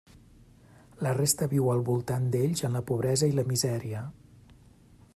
La resta viu al voltant d'ells en la pobresa i la misèria.